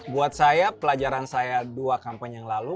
buat saya pelajaran saya dua kampanye yang lalu